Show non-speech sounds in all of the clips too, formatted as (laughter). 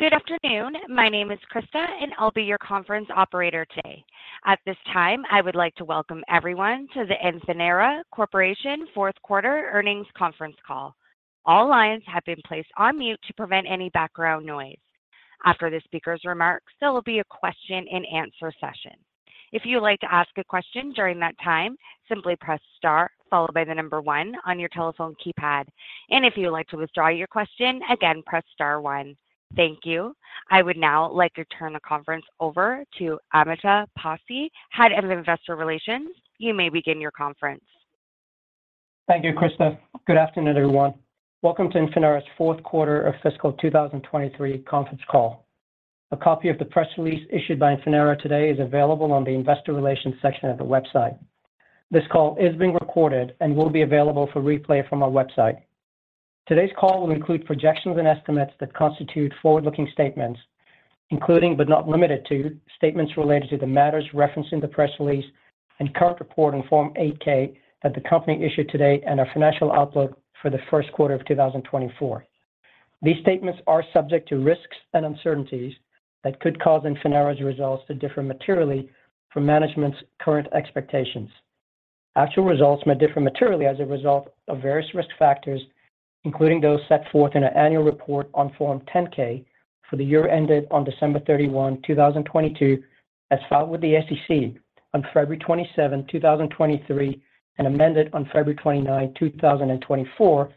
Good afternoon. My name is Krista, and I'll be your conference operator today. At this time, I would like to welcome everyone to the Infinera Corporation fourth quarter earnings conference call. All lines have been placed on mute to prevent any background noise. After the speaker's remarks, there will be a question and answer session. If you would like to ask a question during that time, simply press star followed by the number one on your telephone keypad, and if you would like to withdraw your question, again, press star one. Thank you. I would now like to turn the conference over to Amitabh Passi, Head of Investor Relations. You may begin your conference. Thank you, Krista. Good afternoon, everyone. Welcome to Infinera's fourth quarter of fiscal 2023 conference call. A copy of the press release issued by Infinera today is available on the Investor Relations section of the website. This call is being recorded and will be available for replay from our website. Today's call will include projections and estimates that constitute forward-looking statements, including, but not limited to, statements related to the matters referenced in the press release and current report in Form 8-K that the company issued today, and our financial outlook for the first quarter of 2024. These statements are subject to risks and uncertainties that could cause Infinera's results to differ materially from management's current expectations. Actual results may differ materially as a result of various risk factors, including those set forth in our annual report on Form 10-K for the year ended on December 31, 2022, as filed with the SEC on February 27, 2023, and amended on February 29, 2024,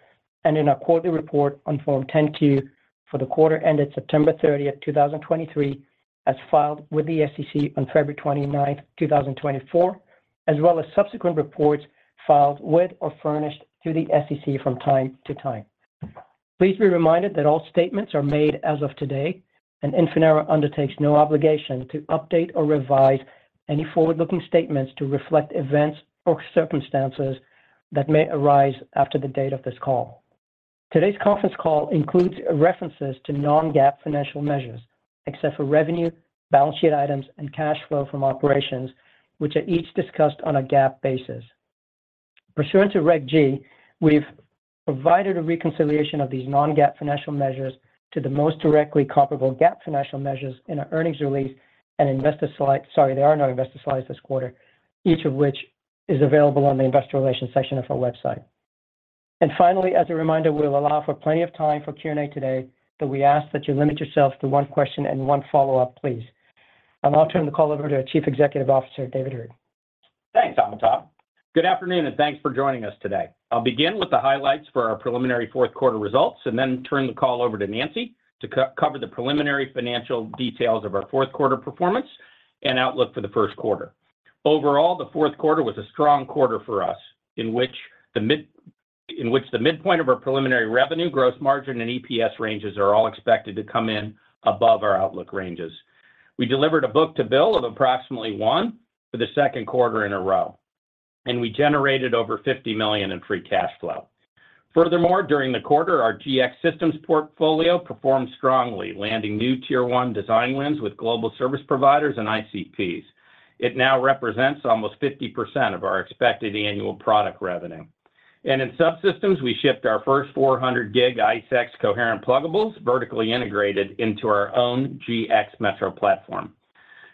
and in our quarterly report on Form 10-Q for the quarter ended September 30, 2023, as filed with the SEC on February 29, 2024, as well as subsequent reports filed with or furnished to the SEC from time to time. Please be reminded that all statements are made as of today, and Infinera undertakes no obligation to update or revise any forward-looking statements to reflect events or circumstances that may arise after the date of this call. Today's conference call includes references to non-GAAP financial measures, except for revenue, balance sheet items, and cash flow from operations, which are each discussed on a GAAP basis. Pursuant to Reg G, we've provided a reconciliation of these non-GAAP financial measures to the most directly comparable GAAP financial measures in our earnings release and investor slide - Sorry, there are no investor slides this quarter, each of which is available on the Investor Relations section of our website. And finally, as a reminder, we'll allow for plenty of time for Q&A today, so we ask that you limit yourself to one question and one follow-up, please. I'll now turn the call over to our Chief Executive Officer, David Heard. Thanks, Amitabh. Good afternoon, and thanks for joining us today. I'll begin with the highlights for our preliminary fourth quarter results and then turn the call over to Nancy to co-cover the preliminary financial details of our fourth quarter performance and outlook for the first quarter. Overall, the fourth quarter was a strong quarter for us, in which the midpoint of our preliminary revenue, gross margin, and EPS ranges are all expected to come in above our outlook ranges. We delivered a book-to-bill of approximately one for the second quarter in a row, and we generated over $50 million in free cash flow. Furthermore, during the quarter, our GX systems portfolio performed strongly, landing new Tier 1 design wins with global service providers and ICPs. It now represents almost 50% of our expected annual product revenue. In subsystems, we shipped our first 400 gig ICE-X coherent pluggables, vertically integrated into our own GX Metro platform.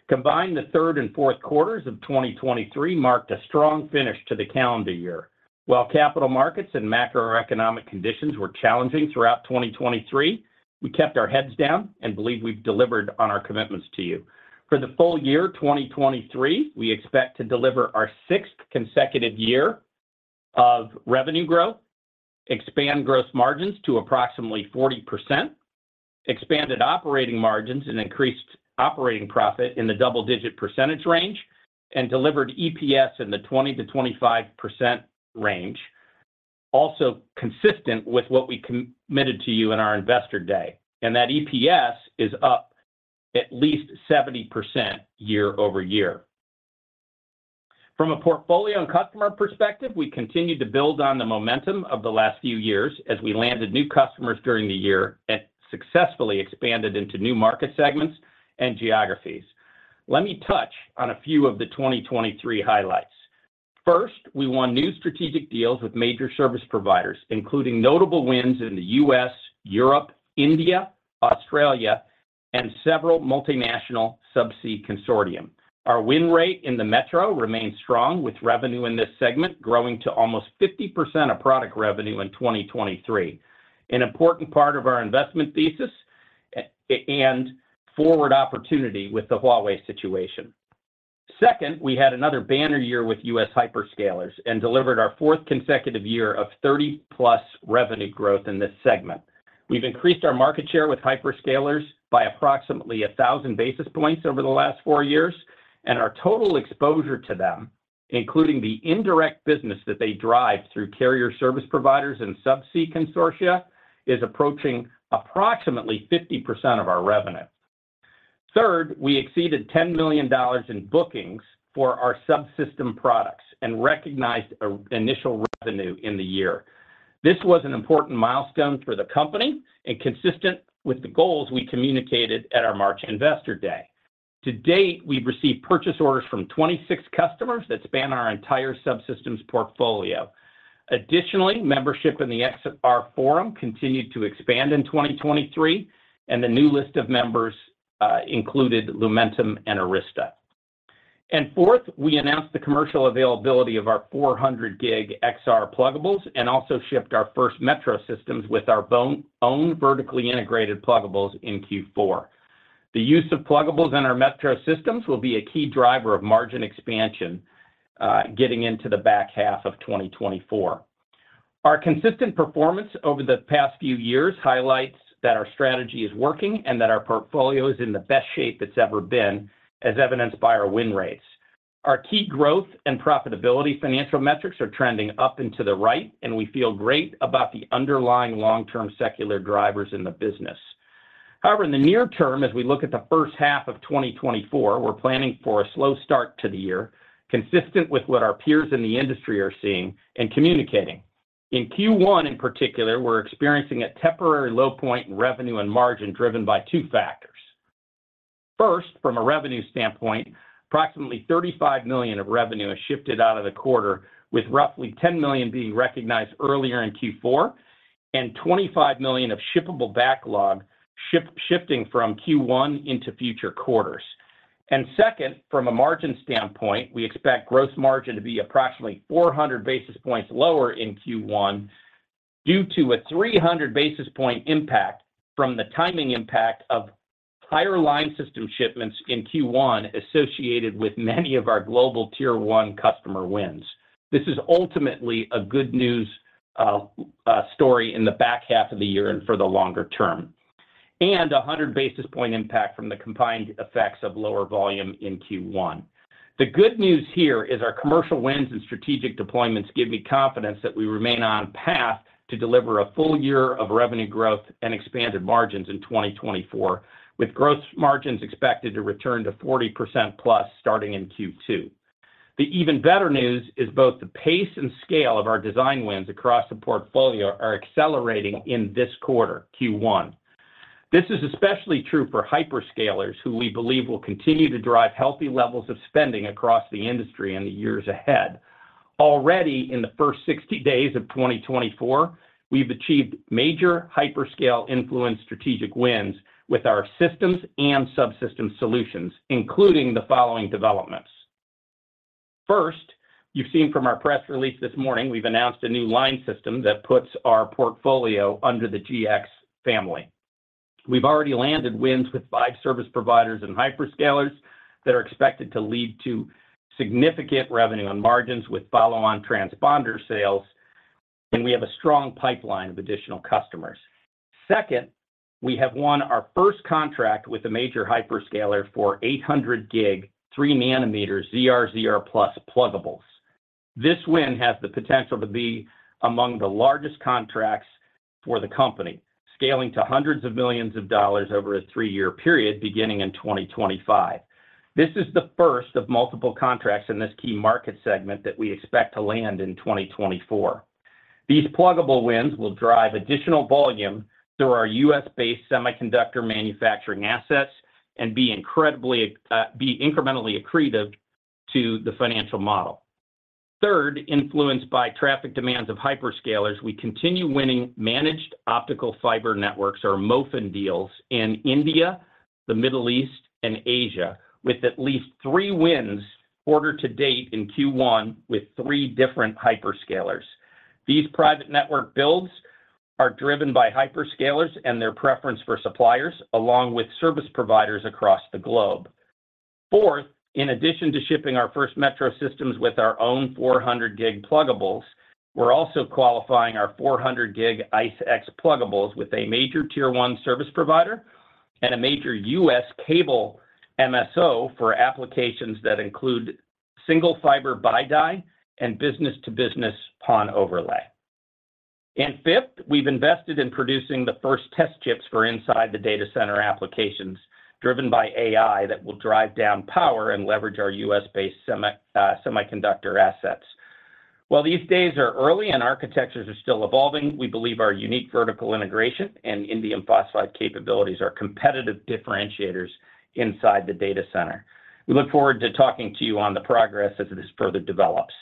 Combined, the third and fourth quarters of 2023 marked a strong finish to the calendar year. While capital markets and macroeconomic conditions were challenging throughout 2023, we kept our heads down and believe we've delivered on our commitments to you. For the full year 2023, we expect to deliver our sixth consecutive year of revenue growth, expand gross margins to approximately 40%, expanded operating margins and increased operating profit in the double-digit percentage range, and delivered EPS in the 20%-25% range. Also consistent with what we committed to you in our Investor Day, and that EPS is up at least 70% year-over-year. From a portfolio and customer perspective, we continued to build on the momentum of the last few years as we landed new customers during the year and successfully expanded into new market segments and geographies. Let me touch on a few of the 2023 highlights. First, we won new strategic deals with major service providers, including notable wins in the U.S., Europe, India, Australia, and several multinational subsea consortia. Our win rate in the metro remains strong, with revenue in this segment growing to almost 50% of product revenue in 2023, an important part of our investment thesis and forward opportunity with the Huawei situation. Second, we had another banner year with U.S. hyperscalers and delivered our fourth consecutive year of 30+ revenue growth in this segment. We've increased our market share with hyperscalers by approximately 1,000 basis points over the last four years, and our total exposure to them, including the indirect business that they drive through carrier service providers and subsea consortia, is approaching approximately 50% of our revenue. Third, we exceeded $10 million in bookings for our subsystem products and recognized initial revenue in the year. This was an important milestone for the company and consistent with the goals we communicated at our March Investor Day. To date, we've received purchase orders from 26 customers that span our entire subsystems portfolio. Additionally, membership in the XR Forum continued to expand in 2023, and the new list of members included Lumentum and Arista. And fourth, we announced the commercial availability of our 400 gig XR pluggables, and also shipped our first metro systems with our own vertically integrated pluggables in Q4. The use of pluggables in our metro systems will be a key driver of margin expansion, getting into the back half of 2024. Our consistent performance over the past few years highlights that our strategy is working, and that our portfolio is in the best shape it's ever been, as evidenced by our win rates. Our key growth and profitability financial metrics are trending up and to the right, and we feel great about the underlying long-term secular drivers in the business. However, in the near term, as we look at the first half of 2024, we're planning for a slow start to the year, consistent with what our peers in the industry are seeing and communicating. In Q1, in particular, we're experiencing a temporary low point in revenue and margin, driven by two factors. First, from a revenue standpoint, approximately $35 million of revenue has shifted out of the quarter, with roughly $10 million being recognized earlier in Q4, and $25 million of shippable backlog shifting from Q1 into future quarters. And second, from a margin standpoint, we expect gross margin to be approximately 400 basis points lower in Q1, due to a 300 basis point impact from the timing impact of higher line system shipments in Q1 associated with many of our global Tier One customer wins. This is ultimately a good news story in the back half of the year and for the longer term. And a 100 basis point impact from the combined effects of lower volume in Q1. The good news here is our commercial wins and strategic deployments give me confidence that we remain on path to deliver a full year of revenue growth and expanded margins in 2024, with growth margins expected to return to 40%+ starting in Q2. The even better news is both the pace and scale of our design wins across the portfolio are accelerating in this quarter, Q1. This is especially true for hyperscalers, who we believe will continue to drive healthy levels of spending across the industry in the years ahead. Already, in the first 60 days of 2024, we've achieved major hyperscale influence strategic wins with our systems and subsystem solutions, including the following developments. First, you've seen from our press release this morning, we've announced a new line system that puts our portfolio under the GX family. We've already landed wins with five service providers and hyperscalers that are expected to lead to significant revenue on margins with follow-on transponder sales, and we have a strong pipeline of additional customers. Second, we have won our first contract with a major hyperscaler for 800 gig, three nanometers, ZR, ZR+ pluggables. This win has the potential to be among the largest contracts for the company, scaling to $hundreds of millions over a three-year period, beginning in 2025. This is the first of multiple contracts in this key market segment that we expect to land in 2024. These pluggable wins will drive additional volume through our U.S.-based semiconductor manufacturing assets and be incredibly, be incrementally accretive to the financial model. Third, influenced by traffic demands of hyperscalers, we continue winning managed optical fiber networks or MOFN deals in India, the Middle East, and Asia, with at least three wins ordered to date in Q1 with three different hyperscalers. These private network builds are driven by hyperscalers and their preference for suppliers, along with service providers across the globe. Fourth, in addition to shipping our first metro systems with our own 400 gig pluggables, we're also qualifying our 400 gig ICE-X pluggables with a major Tier One service provider and a major U.S. cable MSO for applications that include single fiber BiDi and business-to-business PON overlay. And fifth, we've invested in producing the first test chips for inside the data center applications driven by AI that will drive down power and leverage our U.S.-based semi, semiconductor assets. While these days are early and architectures are still evolving, we believe our unique vertical integration and indium phosphide capabilities are competitive differentiators inside the data center. We look forward to talking to you on the progress as this further develops.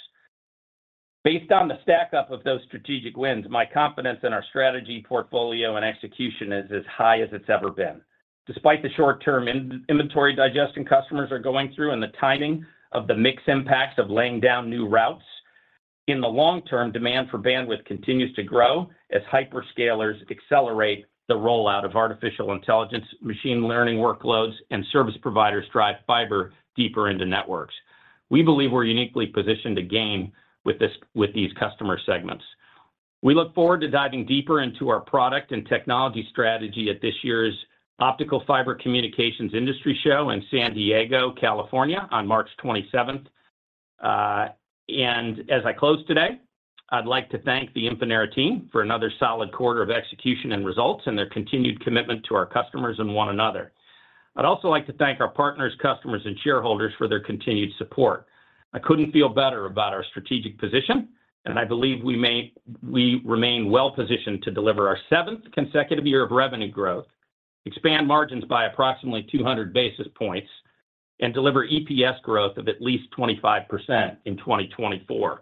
Based on the stack-up of those strategic wins, my confidence in our strategy, portfolio, and execution is as high as it's ever been. Despite the short-term inventory digest that customers are going through and the timing of the mixed impacts of laying down new routes, in the long term, demand for bandwidth continues to grow as hyperscalers accelerate the rollout of artificial intelligence, machine learning workloads, and service providers drive fiber deeper into networks. We believe we're uniquely positioned to gain with these customer segments. We look forward to diving deeper into our product and technology strategy at this year's Optical Fiber Communications Industry Show in San Diego, California, on March 27th. And as I close today, I'd like to thank the Infinera team for another solid quarter of execution and results, and their continued commitment to our customers and one another. I'd also like to thank our partners, customers, and shareholders for their continued support. I couldn't feel better about our strategic position... and I believe we remain well-positioned to deliver our seventh consecutive year of revenue growth, expand margins by approximately 200 basis points, and deliver EPS growth of at least 25% in 2024.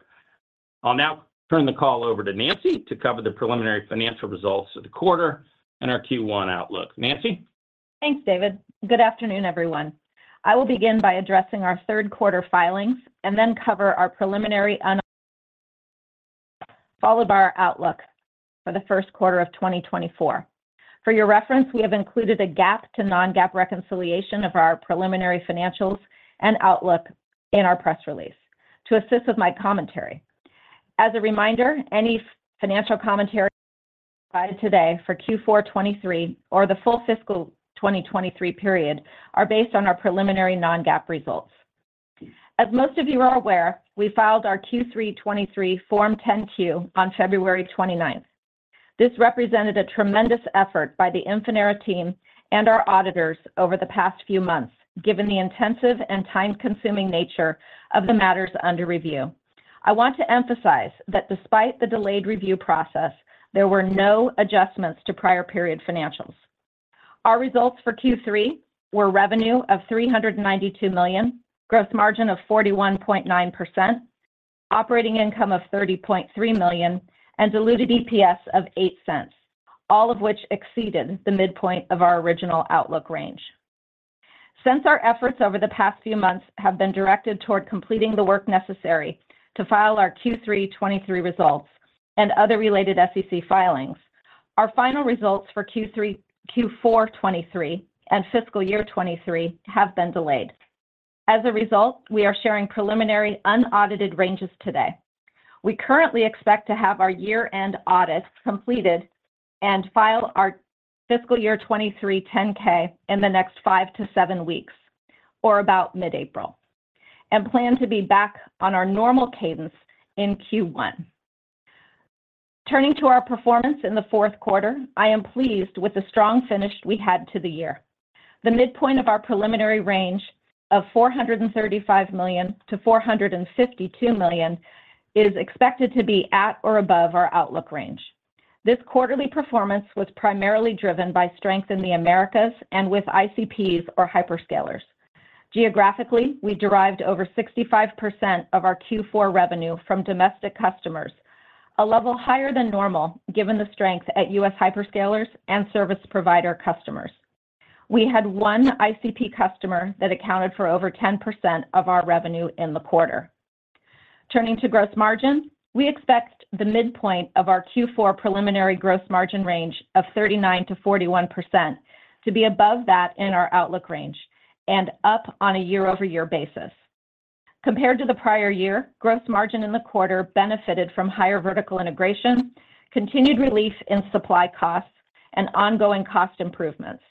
I'll now turn the call over to Nancy to cover the preliminary financial results of the quarter and our Q1 outlook. Nancy? Thanks, David. Good afternoon, everyone. I will begin by addressing our third quarter filings and then cover our preliminary (inaudible) results, followed by our outlook for the first quarter of 2024. For your reference, we have included a GAAP to non-GAAP reconciliation of our preliminary financials and outlook in our press release to assist with my commentary. As a reminder, any financial commentary (inaudible) provided today for Q4 2023 or the full fiscal 2023 period are based on our preliminary non-GAAP results. As most of you are aware, we filed our Q3 2023 Form 10-Q on February 29. This represented a tremendous effort by the Infinera team and our auditors over the past few months, given the intensive and time-consuming nature of the matters under review. I want to emphasize that despite the delayed review process, there were no adjustments to prior period financials. Our results for Q3 were revenue of $392 million, gross margin of 41.9%, operating income of $30.3 million, and diluted EPS of $0.08, all of which exceeded the midpoint of our original outlook range. Since our efforts over the past few months have been directed toward completing the work necessary to file our Q3 2023 results and other related SEC filings, our final results for Q3, Q4 2023 and fiscal year 2023 have been delayed. As a result, we are sharing preliminary unaudited ranges today. We currently expect to have our year-end audits completed and file our fiscal year 2023 10-K in the next five-seven weeks, or about mid-April, and plan to be back on our normal cadence in Q1. Turning to our performance in the fourth quarter, I am pleased with the strong finish we had to the year. The midpoint of our preliminary range of $435 million-$452 million is expected to be at or above our outlook range. This quarterly performance was primarily driven by strength in the Americas and with ICPs or hyperscalers. Geographically, we derived over 65% of our Q4 revenue from domestic customers, a level higher than normal, given the strength at U.S. hyperscalers and service provider customers. We had one ICP customer that accounted for over 10% of our revenue in the quarter. Turning to gross margin, we expect the midpoint of our Q4 preliminary gross margin range of 39%-41% to be above that in our outlook range and up on a year-over-year basis. Compared to the prior year, gross margin in the quarter benefited from higher vertical integration, continued relief in supply costs, and ongoing cost improvements.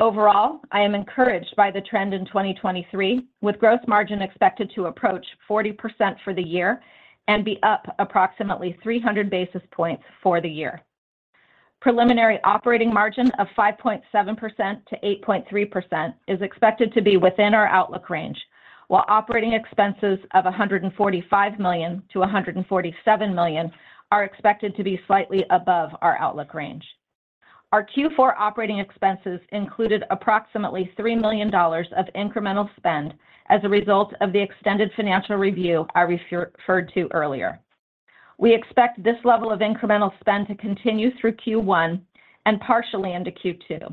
Overall, I am encouraged by the trend in 2023, with gross margin expected to approach 40% for the year and be up approximately 300 basis points for the year. Preliminary operating margin of 5.7%-8.3% is expected to be within our outlook range, while operating expenses of $145 million-$147 million are expected to be slightly above our outlook range. Our Q4 operating expenses included approximately $3 million of incremental spend as a result of the extended financial review I referred to earlier. We expect this level of incremental spend to continue through Q1 and partially into Q2.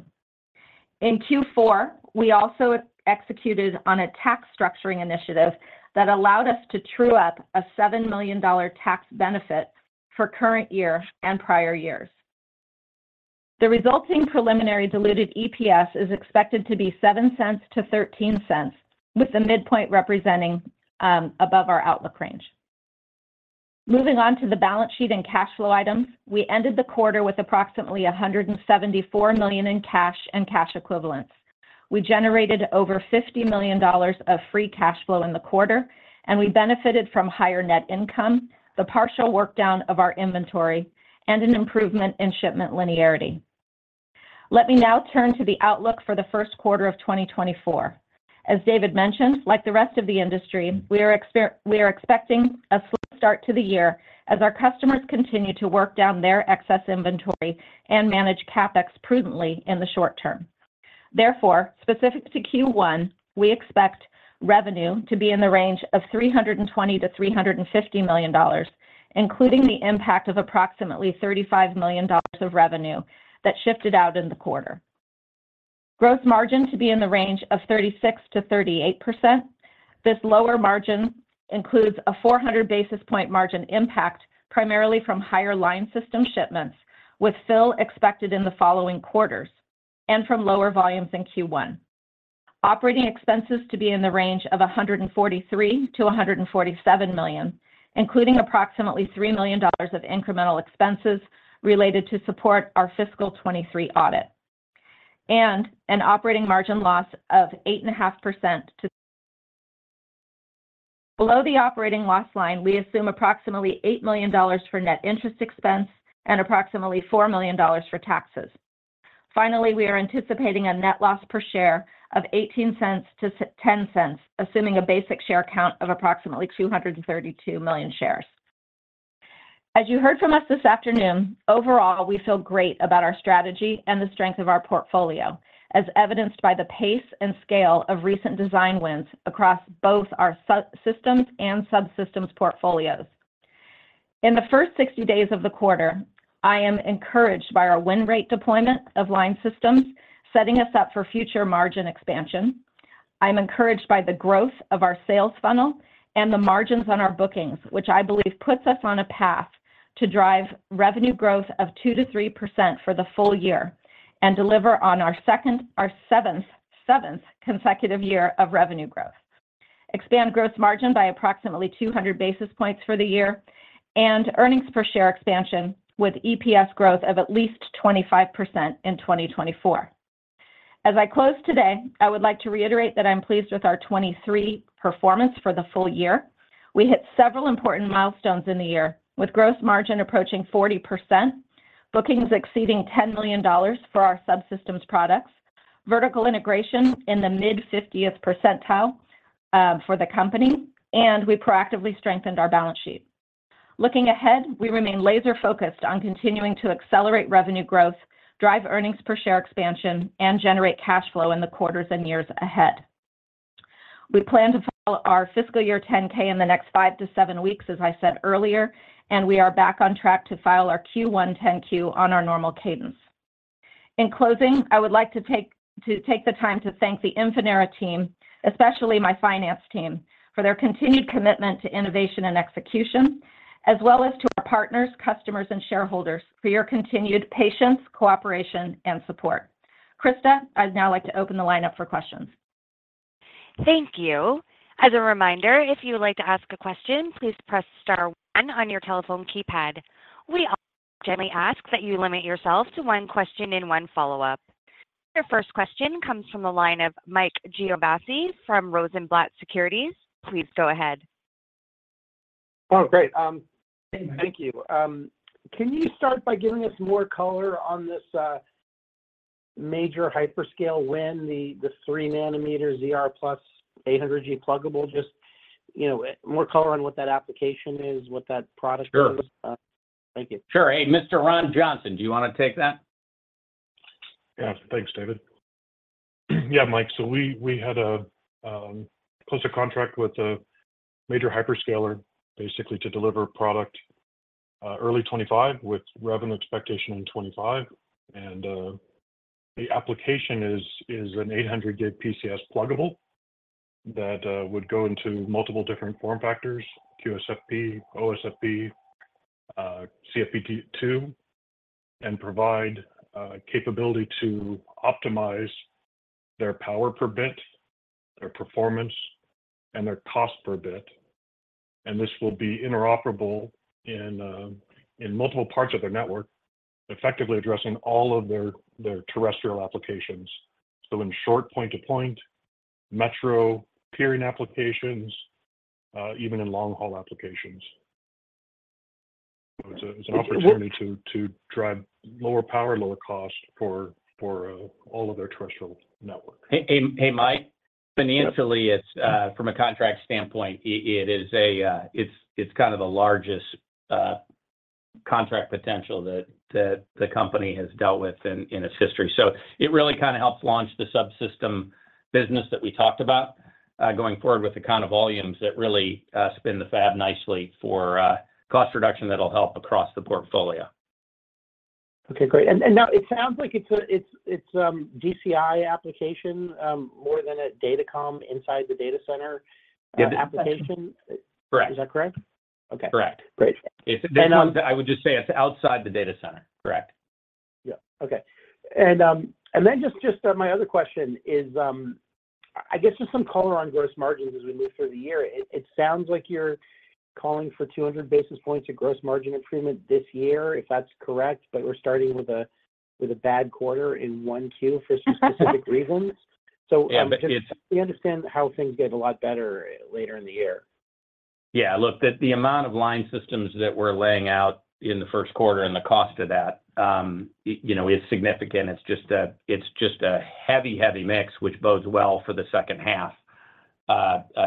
In Q4, we also executed on a tax structuring initiative that allowed us to true up a $7 million tax benefit for current year and prior years. The resulting preliminary diluted EPS is expected to be $0.07-$0.13, with the midpoint representing above our outlook range. Moving on to the balance sheet and cash flow items, we ended the quarter with approximately $174 million in cash and cash equivalents. We generated over $50 million of free cash flow in the quarter, and we benefited from higher net income, the partial workdown of our inventory, and an improvement in shipment linearity. Let me now turn to the outlook for the first quarter of 2024. As David mentioned, like the rest of the industry, we are expecting a slow start to the year as our customers continue to work down their excess inventory and manage CapEx prudently in the short term. Therefore, specific to Q1, we expect revenue to be in the range of $320 million-$350 million, including the impact of approximately $35 million of revenue that shifted out in the quarter. Gross margin to be in the range of 36%-38%. This lower margin includes a 400 basis point margin impact, primarily from higher line system shipments, with fill expected in the following quarters and from lower volumes in Q1. Operating expenses to be in the range of $143 million-$147 million, including approximately $3 million of incremental expenses related to support our fiscal 2023 audit, and an operating margin loss of 8.5% to below the operating loss line, we assume approximately $8 million for net interest expense and approximately $4 million for taxes. Finally, we are anticipating a net loss per share of $0.18-$0.10, assuming a basic share count of approximately 232 million shares. As you heard from us this afternoon, overall, we feel great about our strategy and the strength of our portfolio, as evidenced by the pace and scale of recent design wins across both our systems and subsystems portfolios. In the first 60 days of the quarter, I am encouraged by our win rate deployment of line systems, setting us up for future margin expansion. I'm encouraged by the growth of our sales funnel and the margins on our bookings, which I believe puts us on a path to drive revenue growth of 2%-3% for the full year, and deliver on our seventh consecutive year of revenue growth. Expand gross margin by approximately 200 basis points for the year, and earnings per share expansion, with EPS growth of at least 25% in 2024. As I close today, I would like to reiterate that I'm pleased with our 2023 performance for the full year. We hit several important milestones in the year, with gross margin approaching 40%, bookings exceeding $10 million for our subsystems products, vertical integration in the mid-50th percentile for the company, and we proactively strengthened our balance sheet. Looking ahead, we remain laser-focused on continuing to accelerate revenue growth, drive earnings per share expansion, and generate cash flow in the quarters and years ahead. We plan to file our fiscal year 10-K in the next five-seven weeks, as I said earlier, and we are back on track to file our Q1 10-Q on our normal cadence. In closing, I would like to take the time to thank the Infinera team, especially my finance team, for their continued commitment to innovation and execution, as well as to our partners, customers, and shareholders for your continued patience, cooperation, and support. Krista, I'd now like to open the line up for questions. Thank you. As a reminder, if you would like to ask a question, please press star one on your telephone keypad. We also generally ask that you limit yourself to one question and one follow-up. Your first question comes from the line of Mike Genovese from Rosenblatt Securities. Please go ahead. Oh, great. Thank you. Can you start by giving us more color on this major hyperscale win, the three-nanometer ZR+ 800G pluggable? Just, you know, more color on what that application is, what that product is. Sure. Thank you. Sure. Hey, Mr. Ron Johnson, do you want to take that? Yeah. Thanks, David. Yeah, Mike. So we had closed a contract with a major hyperscaler, basically to deliver product early 2025, with revenue expectation in 2025. And the application is an 800 gig PCS pluggable that would go into multiple different form factors, QSFP, OSFP, CFP2, and provide capability to optimize their power per bit, their performance, and their cost per bit. And this will be interoperable in multiple parts of their network, effectively addressing all of their terrestrial applications. So in short, point-to-point, metro peering applications, even in long-haul applications. So it's an opportunity to drive lower power, lower cost for all of their terrestrial network. Hey, hey, Mike, financially, it's from a contract standpoint, it is it's kind of the largest contract potential that the company has dealt with in its history. So it really kind of helps launch the subsystem business that we talked about going forward with the kind of volumes that really spin the fab nicely for cost reduction that'll help across the portfolio. Okay, great. And now it sounds like it's a DCI application more than a datacom inside the data center application. Correct. Is that correct? Okay. Correct. Great. It's... I would just say it's outside the data center. Correct. Yeah. Okay. And, and then just, just, my other question is, I guess just some color on gross margins as we move through the year. It sounds like you're calling for 200 basis points of gross margin improvement this year, if that's correct, but we're starting with a bad quarter in 1Q for some specific reasons. Yeah, but it's- So we understand how things get a lot better later in the year. Yeah, look, the amount of line systems that we're laying out in the first quarter and the cost of that, you know, is significant. It's just a heavy, heavy mix, which bodes well for the second half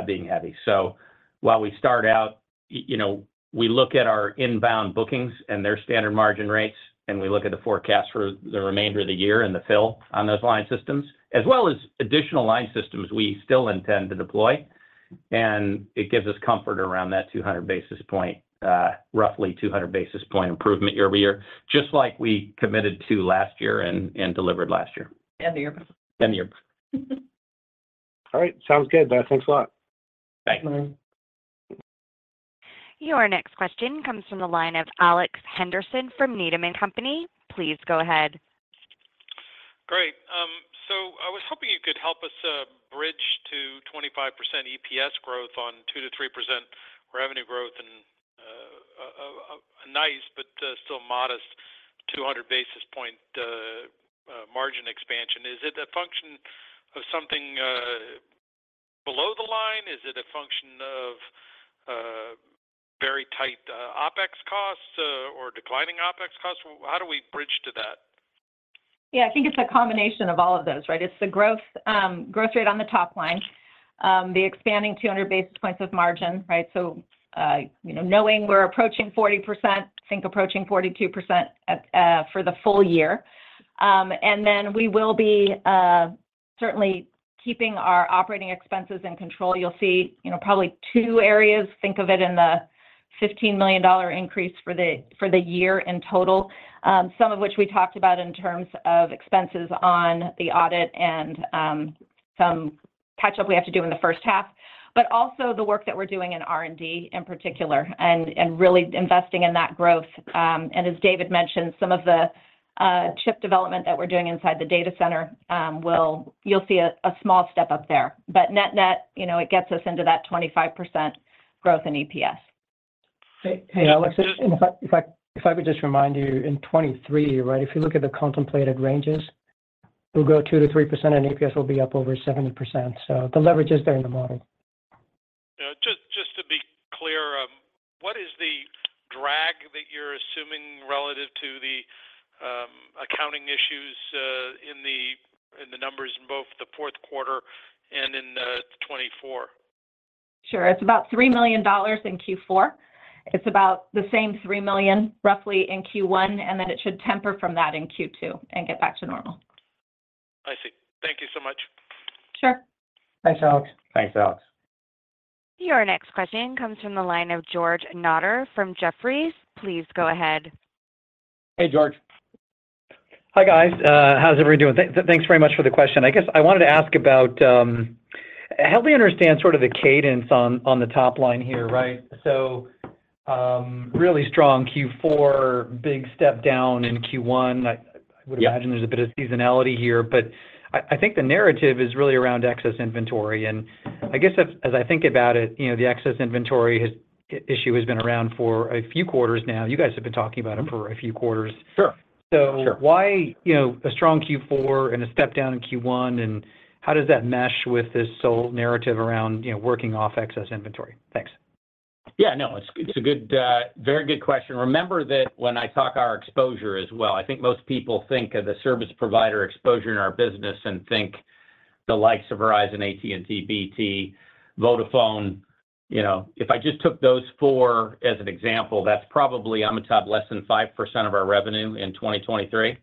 being heavy. So while we start out, you know, we look at our inbound bookings and their standard margin rates, and we look at the forecast for the remainder of the year and the fill on those line systems, as well as additional line systems we still intend to deploy, and it gives us comfort around that 200 basis points, roughly 200 basis points improvement year-over-year, just like we committed to last year and delivered last year. End of year. End of year. All right. Sounds good. Thanks a lot. Thanks. Your next question comes from the line of Alex Henderson from Needham & Company. Please go ahead. Great. So I was hoping you could help us bridge to 25% EPS growth on 2%-3% revenue growth and a nice but still modest 200 basis point margin expansion. Is it a function of something?... below the line, is it a function of very tight OpEx costs or declining OpEx costs? How do we bridge to that? Yeah, I think it's a combination of all of those, right? It's the growth, growth rate on the top line, the expanding 200 basis points of margin, right? So, you know, knowing we're approaching 40%, I think approaching 42% at, for the full year. And then we will be, certainly keeping our operating expenses in control. You'll see, you know, probably two areas, think of it in the $15 million increase for the, for the year in total. Some of which we talked about in terms of expenses on the audit and, some catch-up we have to do in the first half, but also the work that we're doing in R&D, in particular, and, and really investing in that growth. As David mentioned, some of the chip development that we're doing inside the data center, you'll see a small step up there, but net-net, you know, it gets us into that 25% growth in EPS. Hey, Alex, if I could just remind you, in 2023, right, if you look at the contemplated ranges, we'll grow 2%-3%, and EPS will be up over 70%, so the leverage is there in the model. Yeah, just to be clear, what is the drag that you're assuming relative to the accounting issues in the numbers in both the fourth quarter and in 2024? Sure. It's about $3 million in Q4. It's about the same $3 million, roughly, in Q1, and then it should temper from that in Q2 and get back to normal. I see. Thank you so much. Sure. Thanks, Alex. Thanks, Alex. Your next question comes from the line of George Notter from Jefferies. Please go ahead. Hey, George. Hi, guys. How's everyone doing? Thanks very much for the question. I guess I wanted to ask about, help me understand sort of the cadence on the top line here, right? So, really strong Q4, big step down in Q1. I would imagine- Yeah... there's a bit of seasonality here, but I think the narrative is really around excess inventory. I guess as I think about it, you know, the excess inventory issue has been around for a few quarters now. You guys have been talking about them for a few quarters. Sure. So- Sure... why, you know, a strong Q4 and a step down in Q1, and how does that mesh with this sole narrative around, you know, working off excess inventory? Thanks. Yeah, no, it's, it's a good, very good question. Remember that when I talk our exposure as well, I think most people think of the service provider exposure in our business and think the likes of Verizon, AT&T, BT, Vodafone. You know, if I just took those four as an example, that's probably on the top, less than 5% of our revenue in 2023.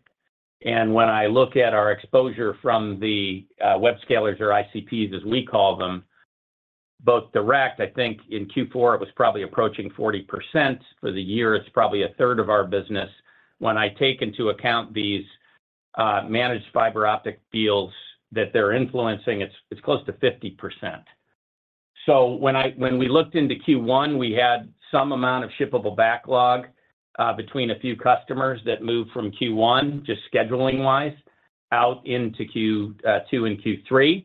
And when I look at our exposure from the, web scalers or ICPs, as we call them, both direct, I think in Q4, it was probably approaching 40%. For the year, it's probably a third of our business. When I take into account these, managed fiber optic deals that they're influencing, it's, it's close to 50%. So when we looked into Q1, we had some amount of shippable backlog between a few customers that moved from Q1, just scheduling-wise, out into Q2 and Q3.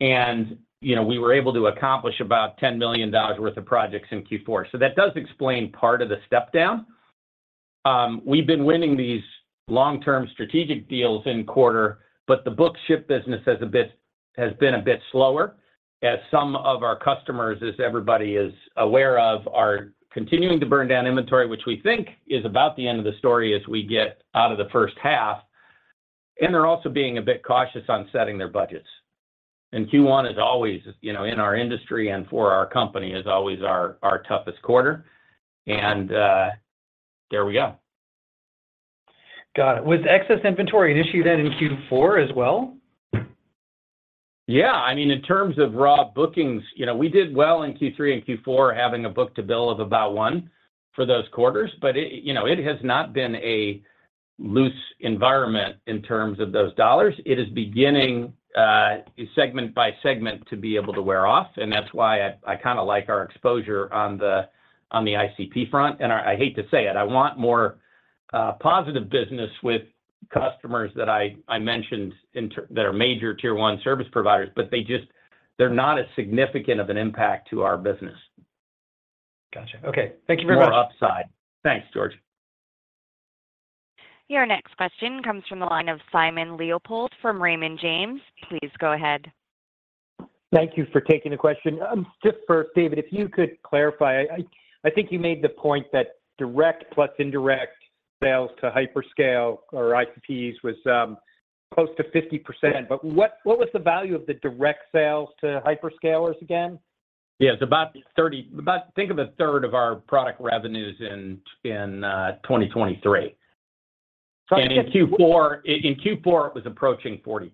And, you know, we were able to accomplish about $10 million worth of projects in Q4. So that does explain part of the step down. We've been winning these long-term strategic deals in quarter, but the book ship business has been a bit slower, as some of our customers, as everybody is aware of, are continuing to burn down inventory, which we think is about the end of the story as we get out of the first half. And they're also being a bit cautious on setting their budgets. Q1 is always, you know, in our industry and for our company, is always our, our toughest quarter, and there we go. Got it. Was excess inventory an issue then in Q4 as well? Yeah, I mean, in terms of raw bookings, you know, we did well in Q3 and Q4, having a book-to-bill of about one for those quarters, but it, you know, it has not been a loose environment in terms of those dollars. It is beginning, segment by segment to be able to wear off, and that's why I, I kind of like our exposure on the, on the ICP front. And I, I hate to say it, I want more, positive business with customers that I, I mentioned that are major tier one service providers, but they just- they're not as significant of an impact to our business. Gotcha. Okay, thank you very much. More upside. Thanks, George. Your next question comes from the line of Simon Leopold from Raymond James. Please go ahead. Thank you for taking the question. Just first, David, if you could clarify, I think you made the point that direct plus indirect sales to hyperscalers or ICPs was close to 50%, but what was the value of the direct sales to hyperscalers again? Yeah, it's about, think of a third of our product revenues in 2023. Okay. In Q4, in Q4, it was approaching 40%.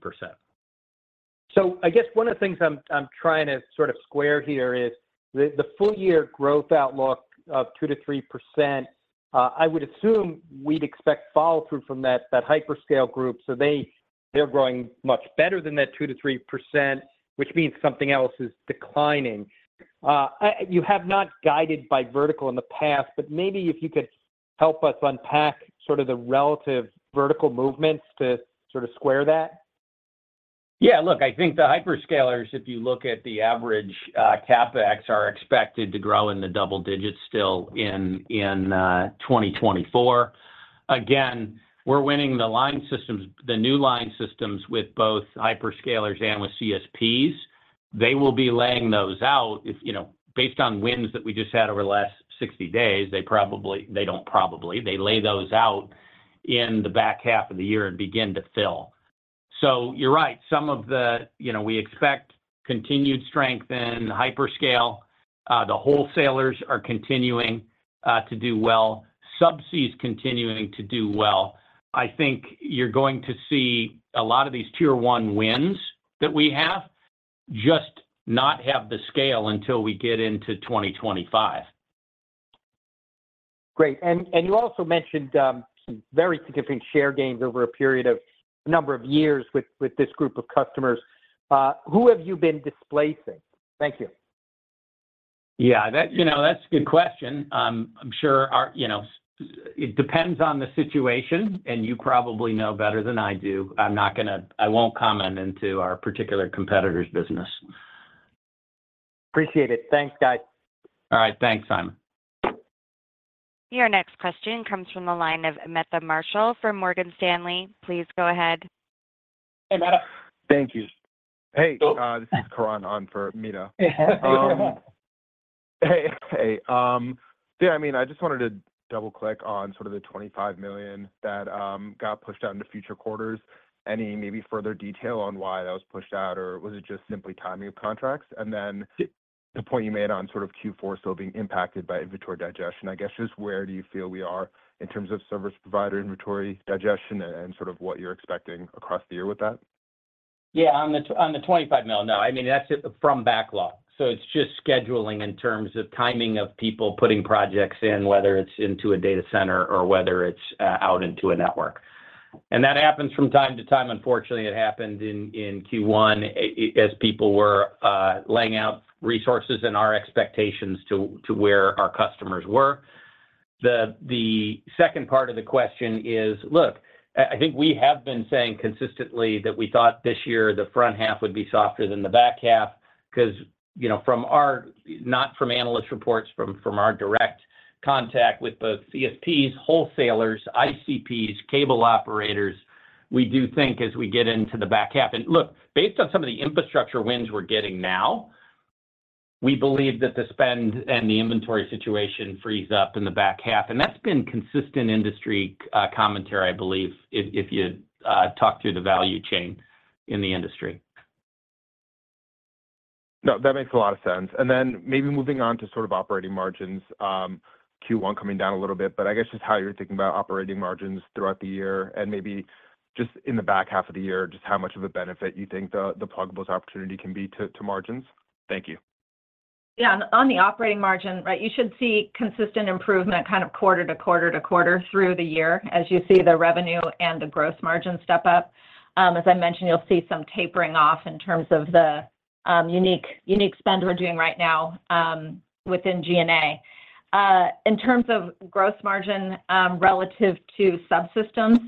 So I guess one of the things I'm trying to sort of square here is the full year growth outlook of 2%-3%. I would assume we'd expect follow-through from that hyperscale group. So they're growing much better than that 2%-3%, which means something else is declining. You have not guided by vertical in the past, but maybe if you could help us unpack sort of the relative vertical movements to sort of square that? Yeah, look, I think the hyperscalers, if you look at the average, CapEx, are expected to grow in the double digits still in 2024. Again, we're winning the line systems, the new line systems, with both hyperscalers and with CSPs. They will be laying those out if, you know—Based on wins that we just had over the last 60 days, they probably—They don't probably, they lay those out in the back half of the year and begin to fill. So you're right, some of the, you know, we expect continued strength in hyperscale. The wholesalers are continuing to do well. Subsea is continuing to do well. I think you're going to see a lot of these Tier One wins that we have just not have the scale until we get into 2025. Great. And you also mentioned some very significant share gains over a period of a number of years with this group of customers. Who have you been displacing? Thank you. Yeah, that, you know, that's a good question. I'm sure, you know, it depends on the situation, and you probably know better than I do. I won't comment on our particular competitor's business. Appreciate it. Thanks, guys. All right, thanks, Simon. Your next question comes from the line of Meta Marshall from Morgan Stanley. Please go ahead. Hey, Meeta. Thank you. Oh. This is Karan on for Meta. Hey, Karan. Hey. Hey, yeah, I mean, I just wanted to double-click on sort of the $25 million that got pushed out into future quarters. Any maybe further detail on why that was pushed out, or was it just simply timing of contracts? And then the point you made on sort of Q4 still being impacted by inventory digestion, I guess, just where do you feel we are in terms of service provider inventory digestion and sort of what you're expecting across the year with that? Yeah, on the $25 million, no. I mean, that's from backlog, so it's just scheduling in terms of timing of people putting projects in, whether it's into a data center or whether it's out into a network. And that happens from time to time. Unfortunately, it happened in Q1 as people were laying out resources and our expectations to where our customers were. The second part of the question is. Look, I think we have been saying consistently that we thought this year the front half would be softer than the back half. 'Cause, you know, from our, not from analyst reports, from our direct contact with both CSPs, wholesalers, ICPs, cable operators, we do think as we get into the back half. And look, based on some of the infrastructure wins we're getting now, we believe that the spend and the inventory situation frees up in the back half, and that's been consistent industry commentary, I believe, if you talk through the value chain in the industry. No, that makes a lot of sense. And then maybe moving on to sort of operating margins, Q1 coming down a little bit, but I guess just how you're thinking about operating margins throughout the year and maybe just in the back half of the year, just how much of a benefit you think the, the pluggables opportunity can be to, to margins. Thank you. Yeah, on the operating margin, right, you should see consistent improvement kind of quarter to quarter to quarter through the year as you see the revenue and the gross margin step up. As I mentioned, you'll see some tapering off in terms of the, unique, unique spend we're doing right now, within GNA. In terms of gross margin, relative to subsystems,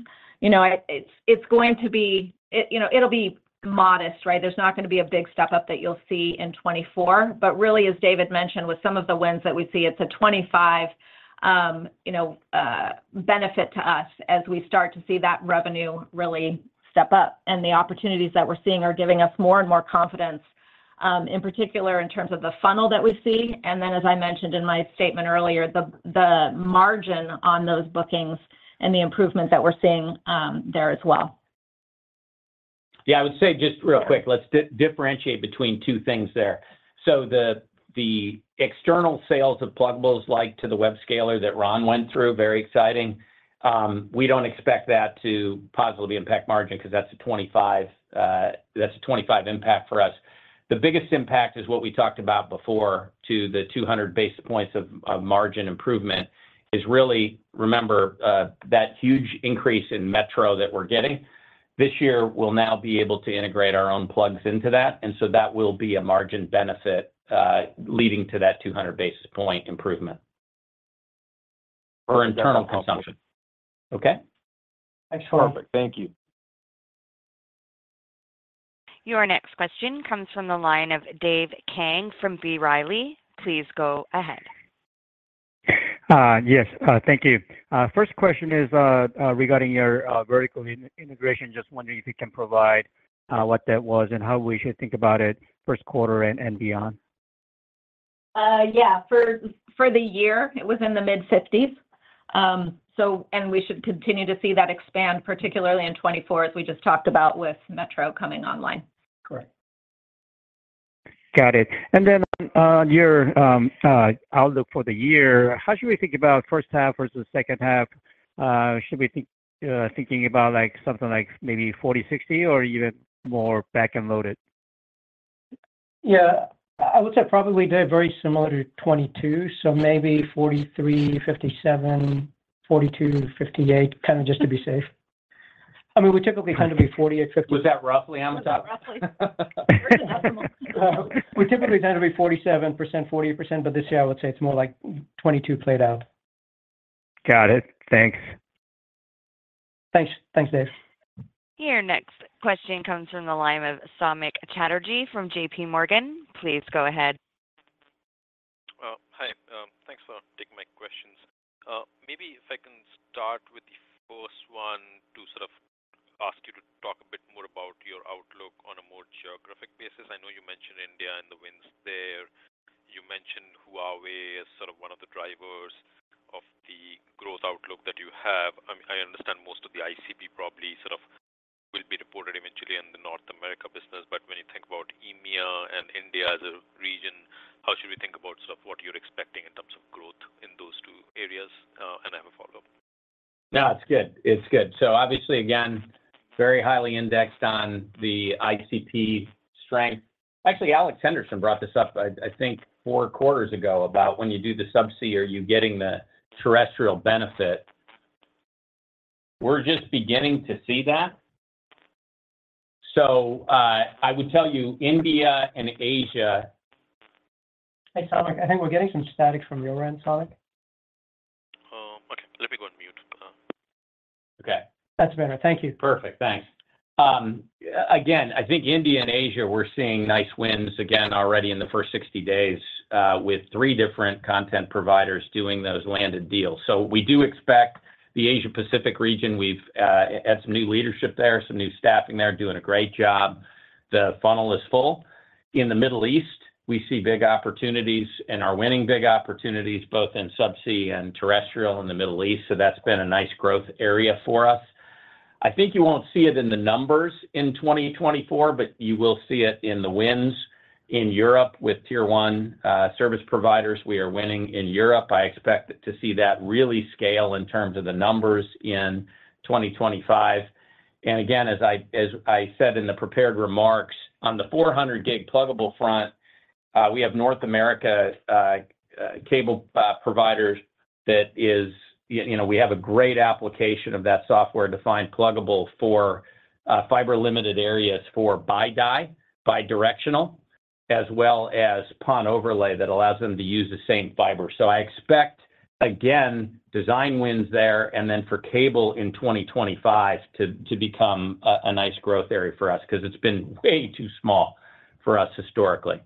you know, it's, it's going to be... it'll be modest, right? There's not gonna be a big step up that you'll see in 2024. But really, as David mentioned, with some of the wins that we see, it's a 2025, you know, benefit to us as we start to see that revenue really step up. And the opportunities that we're seeing are giving us more and more confidence, in particular, in terms of the funnel that we see. And then, as I mentioned in my statement earlier, the margin on those bookings and the improvements that we're seeing, there as well. Yeah, I would say just real quick, let's differentiate between two things there. So the external sales of pluggables, like to the webscaler that Ron went through, very exciting, we don't expect that to positively impact margin, because that's a 25, that's a 25 impact for us. The biggest impact is what we talked about before, to the 200 basis points of margin improvement, is really, remember, that huge increase in metro that we're getting. This year, we'll now be able to integrate our own plugs into that, and so that will be a margin benefit, leading to that 200 basis point improvement for internal consumption. Okay? Excellent. Thank you. Your next question comes from the line of Dave Kang from B. Riley. Please go ahead. Yes, thank you. First question is regarding your vertical integration. Just wondering if you can provide what that was and how we should think about it first quarter and beyond. Yeah. For the year, it was in the mid-50s. So and we should continue to see that expand, particularly in 2024, as we just talked about with metro coming online. Correct. Got it. And then on your outlook for the year, how should we think about first half versus second half? Should we think about, like, something like maybe 40-60 or even more back-end loaded? Yeah. I would say probably, Dave, very similar to 2022, so maybe 43, 57, 42, 58, kind of just to be safe. I mean, we typically tend to be 40 or 50- Was that roughly on the top? Roughly. We typically tend to be 47%, 48%, but this year I would say it's more like 22 played out. Got it. Thanks. Thanks. Thanks, Dave. Your next question comes from the line of Samik Chatterjee from JPMorgan. Please go ahead.... Hi, thanks for taking my questions. Maybe if I can start with the first one to sort of ask you to talk a bit more about your outlook on a more geographic basis. I know you mentioned India and the wins there. You mentioned Huawei as sort of one of the drivers of the growth outlook that you have. I understand most of the ICP probably sort of will be reported eventually in the North America business. But when you think about EMEA and India as a region, how should we think about sort of what you're expecting in terms of growth in those two areas? And I have a follow-up. No, it's good. It's good. So obviously, again, very highly indexed on the ICP strength. Actually, Alex Henderson brought this up, I, I think four quarters ago, about when you do the subsea, are you getting the terrestrial benefit? We're just beginning to see that. So, I would tell you, India and Asia- Hey, Samik, I think we're getting some static from your end, Samik. Oh, okay. Let me go on mute. Okay. That's better. Thank you. Perfect. Thanks. Again, I think India and Asia, we're seeing nice wins again already in the first 60 days with 3 different content providers doing those landed deals. So we do expect the Asia Pacific region, we've had some new leadership there, some new staffing there, doing a great job. The funnel is full. In the Middle East, we see big opportunities and are winning big opportunities, both in subsea and terrestrial in the Middle East, so that's been a nice growth area for us. I think you won't see it in the numbers in 2024, but you will see it in the wins in Europe with tier one service providers. We are winning in Europe. I expect to see that really scale in terms of the numbers in 2025. And again, as I, as I said in the prepared remarks, on the 400 gig pluggable front, we have North America cable providers that is. You know, we have a great application of that software-defined pluggable for fiber-limited areas for BiDi, bidirectional, as well as PON overlay that allows them to use the same fiber. So I expect, again, design wins there, and then for cable in 2025 to become a nice growth area for us, because it's been way too small for us historically.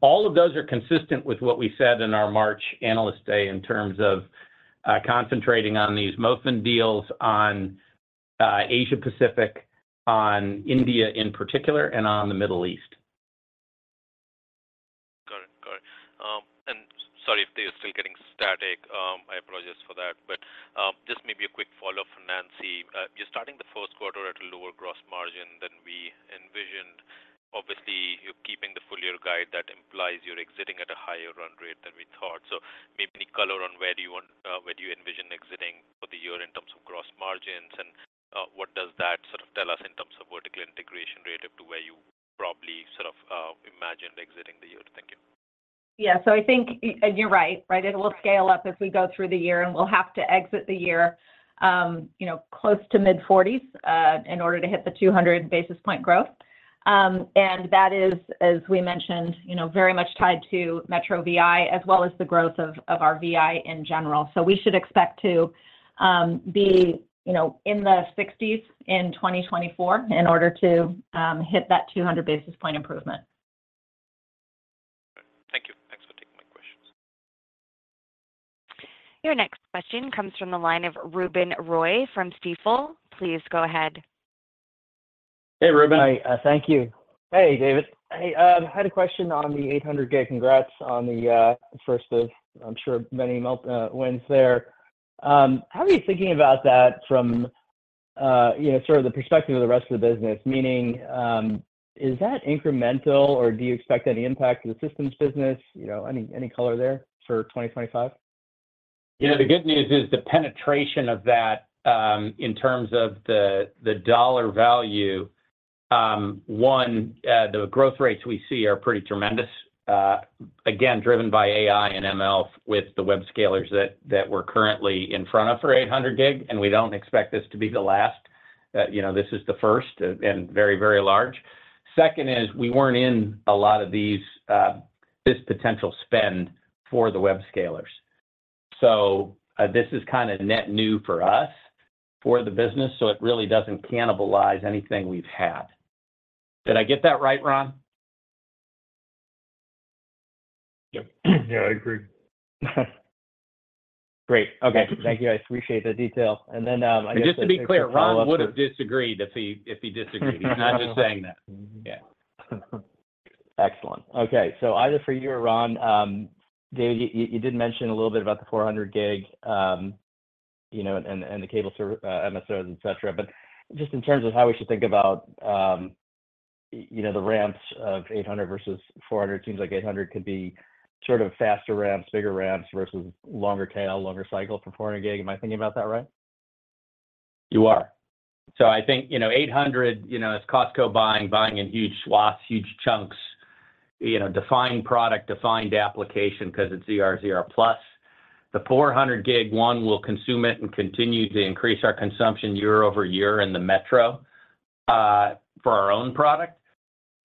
All of those are consistent with what we said in our March Analyst Day in terms of concentrating on these MOFN deals on Asia Pacific, on India in particular, and on the Middle East. Got it. Got it. And sorry if they're still getting static. I apologize for that. But, just maybe a quick follow-up from Nancy. You're starting the first quarter at a lower gross margin than we envisioned. Obviously, you're keeping the full year guide. That implies you're exiting at a higher run rate than we thought. So maybe any color on where do you envision exiting for the year in terms of gross margins? And, what does that sort of tell us in terms of vertical integration rate up to where you probably sort of imagined exiting the year? Thank you. Yeah. So I think you're right, right? It will scale up as we go through the year, and we'll have to exit the year, you know, close to mid-40s, in order to hit the 200 basis point growth. And that is, as we mentioned, you know, very much tied to metro VI, as well as the growth of our VI in general. So we should expect to be, you know, in the 60s in 2024 in order to hit that 200 basis point improvement. Thank you. Thanks for taking my questions. Your next question comes from the line of Ruben Roy from Stifel. Please go ahead. Hey, Ruben. Hi. Thank you. Hey, David. Hey, had a question on the 800 gig. Congrats on the first of, I'm sure, many wins there. How are you thinking about that from, you know, sort of the perspective of the rest of the business? Meaning, is that incremental, or do you expect any impact to the systems business? You know, any color there for 2025? Yeah, the good news is the penetration of that in terms of the dollar value. The growth rates we see are pretty tremendous. Again, driven by AI and ML with the webscalers that we're currently in front of for 800 gig, and we don't expect this to be the last. You know, this is the first and very, very large. Second is, we weren't in a lot of these this potential spend for the webscalers. This is kind of net new for us, for the business, so it really doesn't cannibalize anything we've had. Did I get that right, Ron? Yep. Yeah, I agree. Great. Okay. Thank you. I appreciate the detail. And then, I guess- Just to be clear, Ron would have disagreed if he disagreed. He's not just saying that. Yeah. Excellent. Okay, so either for you or Ron, David, you, you did mention a little bit about the 400 gig, you know, and, and the cable MSOs, et cetera. But just in terms of how we should think about, you know, the ramps of 800 versus 400, it seems like 800 could be sort of faster ramps, bigger ramps, versus longer tail, longer cycle for 400 gig. Am I thinking about that right? You are. So I think, you know, 800, you know, it's Costco buying, buying in huge swaths, huge chunks, you know, defined product, defined application, because it's ZR, ZR+. The 400 gig, one, we'll consume it and continue to increase our consumption year-over-year in the metro, for our own product.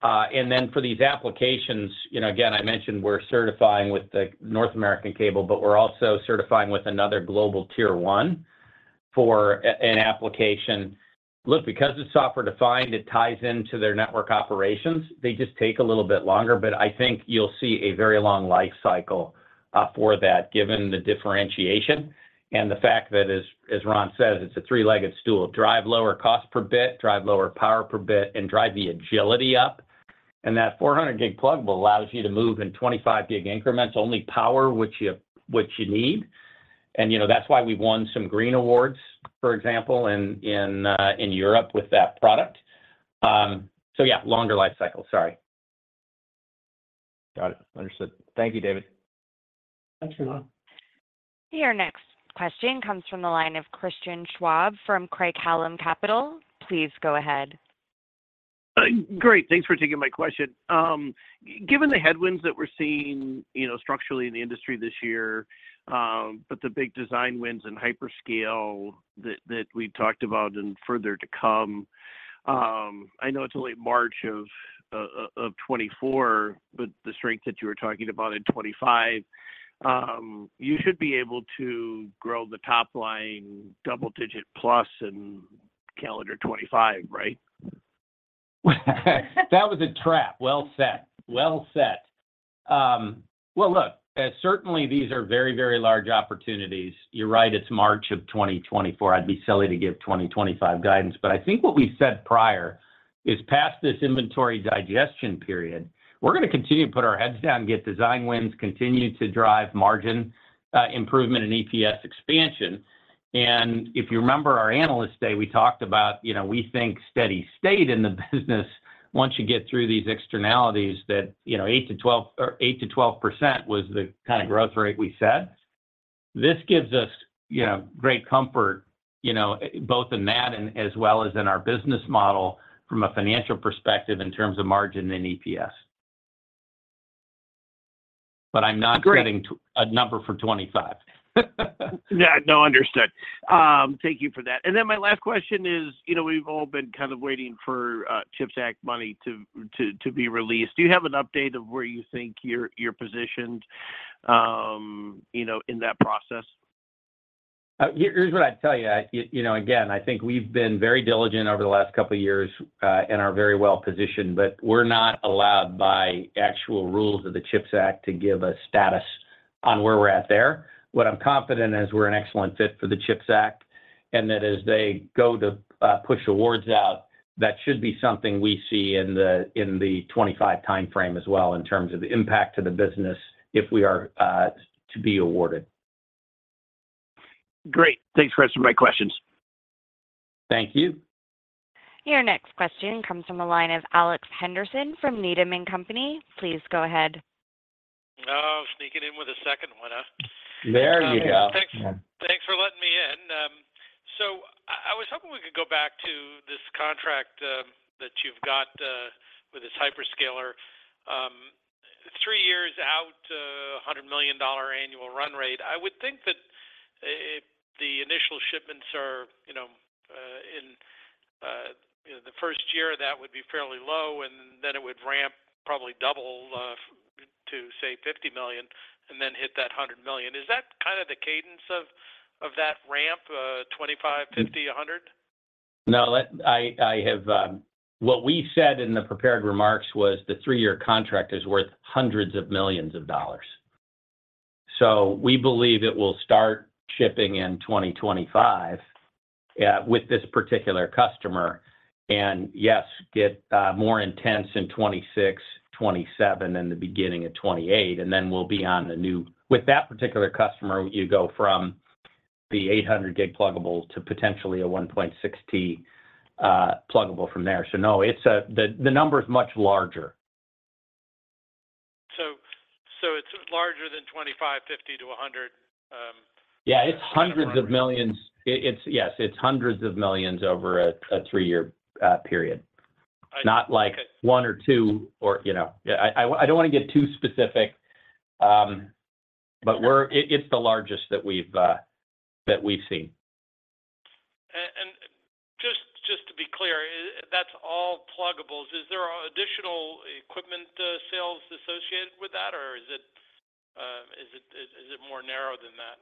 And then for these applications, you know, again, I mentioned we're certifying with the North American cable, but we're also certifying with another global tier one for an application. Look, because it's software-defined, it ties into their network operations. They just take a little bit longer, but I think you'll see a very long life cycle, for that, given the differentiation and the fact that as Ron says, it's a three-legged stool. Drive lower cost per bit, drive lower power per bit, and drive the agility up, and that 400 gig pluggable allows you to move in 25 gig increments, only power which you need. And, you know, that's why we won some green awards, for example, in Europe with that product. So yeah, longer life cycle. Sorry. Got it. Understood. Thank you, David. Thanks, Ruben. Your next question comes from the line of Christian Schwab from Craig-Hallum Capital. Please go ahead. Great. Thanks for taking my question. Given the headwinds that we're seeing, you know, structurally in the industry this year, but the big design wins in hyperscale that we talked about and further to come, I know it's only March of 2024, but the strength that you were talking about in 2025, you should be able to grow the top line double digit plus in calendar 2025, right? That was a trap well set. Well set. Well, look, certainly these are very, very large opportunities. You're right, it's March of 2024. I'd be silly to give 2025 guidance, but I think what we said prior is past this inventory digestion period, we're gonna continue to put our heads down and get design wins, continue to drive margin improvement and EPS expansion. And if you remember our Analyst Day, we talked about, you know, we think steady state in the business, once you get through these externalities, that, you know, 8%-12% was the kind of growth rate we said. This gives us, you know, great comfort, you know, both in that and as well as in our business model from a financial perspective in terms of margin and EPS. But I'm not- Great... giving a number for 2025. Yeah, no, understood. Thank you for that. And then my last question is, you know, we've all been kind of waiting for CHIPS Act money to be released. Do you have an update of where you think you're positioned, you know, in that process? Here's what I'd tell you. I, you know, again, I think we've been very diligent over the last couple of years, and are very well-positioned, but we're not allowed by actual rules of the CHIPS Act to give a status on where we're at there. What I'm confident is we're an excellent fit for the CHIPS Act, and that as they go to push awards out, that should be something we see in the, in the 2025 timeframe as well, in terms of the impact to the business, if we are to be awarded. Great. Thanks for answering my questions. Thank you. Your next question comes from the line of Alex Henderson from Needham & Company. Please go ahead. Oh, sneaking in with a second one, huh? There you go. Thanks, thanks for letting me in. So I was hoping we could go back to this contract that you've got with this hyperscaler. Three years out, $100 million annual run rate, I would think that if the initial shipments are, you know, in the first year, that would be fairly low, and then it would ramp, probably double to, say, $50 million, and then hit that $100 million. Is that kind of the cadence of that ramp, 25, 50, 100? No. What we said in the prepared remarks was the three-year contract is worth hundreds of millions of dollars. So we believe it will start shipping in 2025 with this particular customer, and yes, get more intense in 2026, 2027, and the beginning of 2028, and then we'll be on a new. With that particular customer, you go from the 800 gig pluggable to potentially a 1.6 T pluggable from there. So no, it's the number is much larger. So it's larger than 25, 50-100. Yeah, it's $hundreds of millions. Yes, it's hundreds of millions over a three-year period. I- Not like one or two or, you know... I don't want to get too specific, but we're- Sure. It, it's the largest that we've seen. And just to be clear, is that all pluggables? Is there additional equipment sales associated with that? Or is it more narrow than that?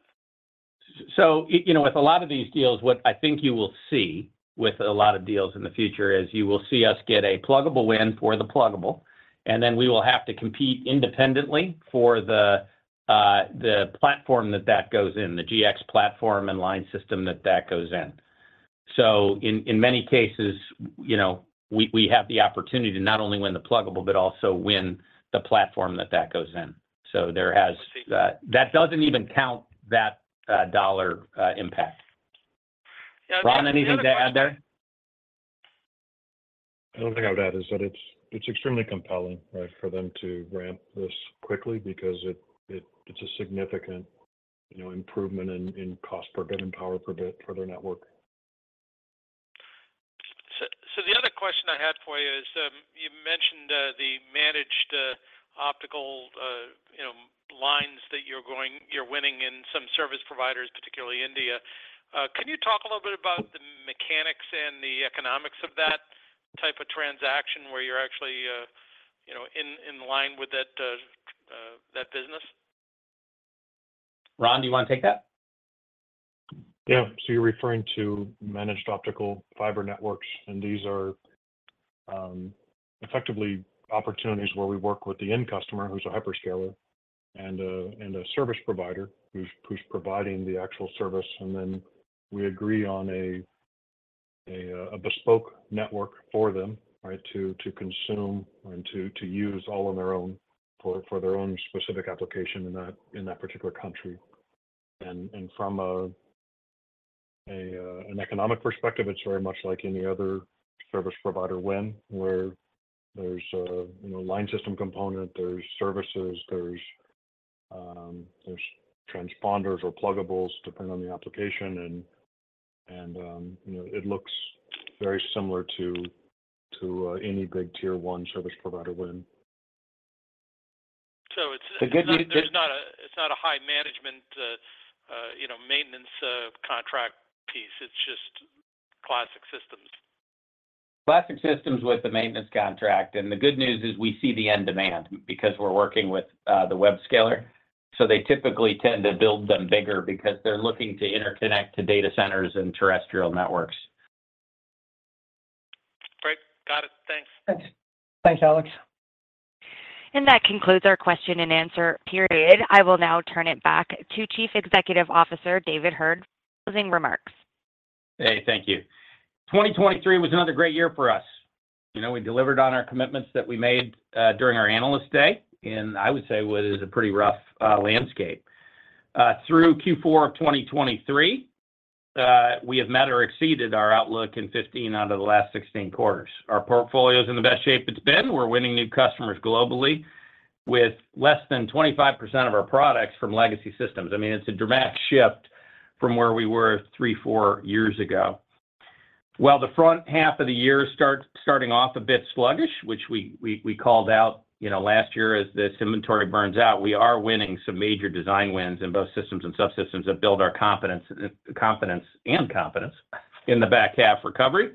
So, you know, with a lot of these deals, what I think you will see with a lot of deals in the future is you will see us get a pluggable win for the pluggable, and then we will have to compete independently for the platform that goes in, the GX platform and line system that goes in. So in many cases, you know, we have the opportunity to not only win the pluggable but also win the platform that goes in. So there has- I see. That doesn't even count that, dollar, impact. Yeah, the other question- Ron, anything to add there? The only thing I would add is that it's extremely compelling, right, for them to ramp this quickly because it's a significant, you know, improvement in cost per bit and power per bit for their network. So the other question I had for you is, you mentioned the managed optical, you know, lines that you're winning in some service providers, particularly India. Can you talk a little bit about the mechanics and the economics of that type of transaction, where you're actually, you know, in line with that platform... that business? Ron, do you want to take that? Yeah. So you're referring to managed optical fiber networks, and these are effectively opportunities where we work with the end customer, who's a hyperscaler, and a service provider, who's providing the actual service. And then we agree on a bespoke network for them, right, to consume and to use all on their own for their own specific application in that particular country. And from an economic perspective, it's very much like any other service provider win, where there's a line system component, there's services, there's transponders or pluggables, depending on the application. And you know, it looks very similar to any big tier one service provider win. So it's- The good new-... there's not a, it's not a high management, you know, maintenance, contract piece. It's just classic systems. Classic systems with the maintenance contract. The good news is we see the end demand because we're working with the webscaler. So they typically tend to build them bigger because they're looking to interconnect to data centers and terrestrial networks. Great. Got it. Thanks. Thanks. Thanks, Alex. That concludes our question and answer period. I will now turn it back to Chief Executive Officer, David Heard, for closing remarks. Hey, thank you. 2023 was another great year for us. You know, we delivered on our commitments that we made during our Analyst Day, in I would say what is a pretty rough landscape. Through Q4 of 2023, we have met or exceeded our outlook in 15 out of the last 16 quarters. Our portfolio is in the best shape it's been. We're winning new customers globally with less than 25% of our products from legacy systems. I mean, it's a dramatic shift from where we were three, four years ago. While the front half of the year starting off a bit sluggish, which we called out, you know, last year, as this inventory burns out, we are winning some major design wins in both systems and subsystems that build our confidence in the back half recovery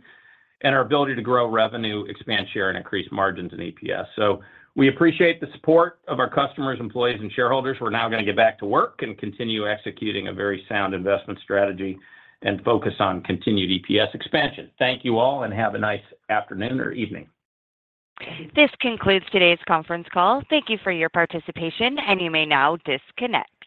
and our ability to grow revenue, expand share, and increase margins in EPS. So we appreciate the support of our customers, employees, and shareholders. We're now gonna get back to work and continue executing a very sound investment strategy and focus on continued EPS expansion. Thank you all, and have a nice afternoon or evening. This concludes today's conference call. Thank you for your participation, and you may now disconnect.